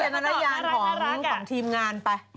เอาวิทยาลัยยานของทีมงานไป